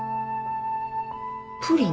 プリン？